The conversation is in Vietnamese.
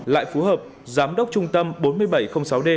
lại phù hợp giám đốc trung tâm bốn nghìn bảy trăm linh sáu d